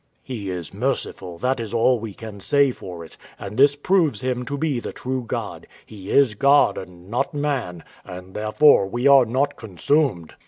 W.A. He is merciful, that is all we can say for it; and this proves Him to be the true God; He is God, and not man, and therefore we are not consumed.